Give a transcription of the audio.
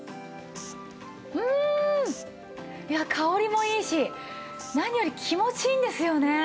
うんいや香りもいいし何より気持ちいいんですよね。